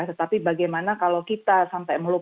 tetapi bagaimana kalau kita sampai melupakan